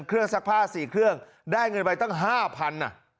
เครื่องซักผ้าสี่เครื่องได้เงินไปตั้งห้าพันอ่ะ